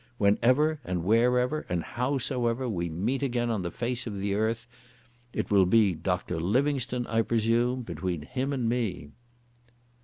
Whenever and wherever and howsoever we meet again on the face of the earth, it will be 'Dr Livingstone, I presume' between him and me."